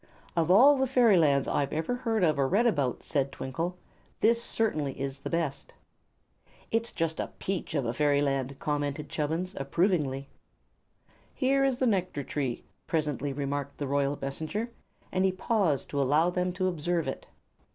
"Of all the fairylands I've ever heard of or read about," said Twinkle, "this certainly is the best." "It's just a peach of a fairyland," commented Chubbins, approvingly. "Here is the nectar tree," presently remarked the royal Messenger, and he paused to allow them to observe it.